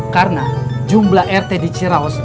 karena jumlah rt di chiraus